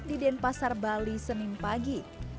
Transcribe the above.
di denpasar bali senin pagi